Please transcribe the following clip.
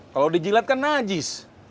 kalau dijilat kan najis